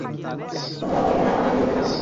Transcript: শহরে অপরাধের হার আমাদের নিয়ন্ত্রণে থাকতে হবে।